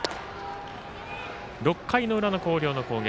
６回の裏の広陵の攻撃。